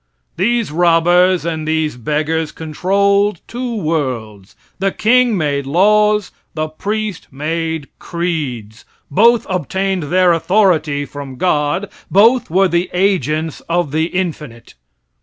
These robbers and these beggars controlled two worlds. The king made laws, the priest made creeds. Both obtained their authority from God, both were the agents of the infinite.